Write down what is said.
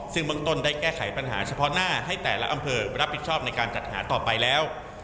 ซึ่งเมืองต้นได้แก้ไขปัญหาเฉพาะหน้าให้แต่ละอำเภอรับผิดชอบในการจัดหาต่อไปแล้ว